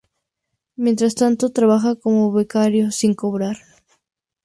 Mientras tanto trabaja como becaria sin cobrar.